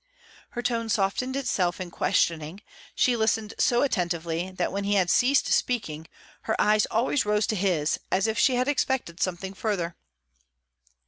Her tone softened itself in questioning; she listened so attentively that, when he had ceased speaking, her eyes always rose to his, as if she had expected something further.